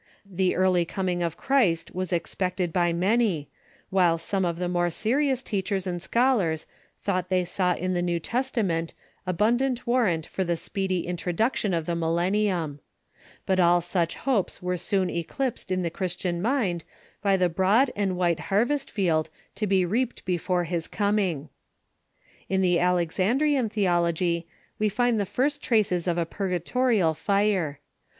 The early coming of Christ was expected by many, while some of the more serious teachers and scholars thought they saw in the New Testament abundant Avarrant for the speedy introduction of the millennium. But all such hopes were soon eclipsed in the Christian mind by the broad and white haiwest field to be reaped before his coming. In the Alexandrian theolog}', we find the first traces of a purga torial fire.